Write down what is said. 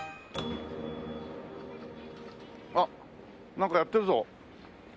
あっなんかやってるぞ。